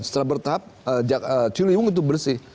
secara bertahap ciliwung itu bersih